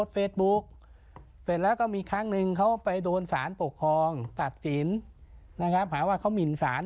เฟซบุ๊กเสร็จแล้วก็มีครั้งหนึ่งเขาไปโดนสารปกครองตัดสินนะครับหาว่าเขาหมินสาร